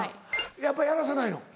やっぱやらさないの？